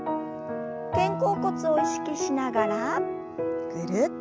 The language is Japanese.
肩甲骨を意識しながらぐるっと。